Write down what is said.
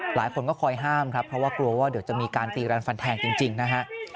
หลายคนก็คอยห้ามครับเพราะว่ากลัวว่าเดี๋ยวจะมีการตีรันฟันแทงจริงนะฮะ